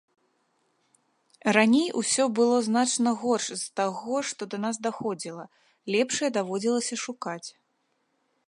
Раней усё было значна горш з таго, што да нас даходзіла, лепшае даводзілася шукаць.